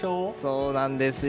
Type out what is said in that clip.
そうなんですよ。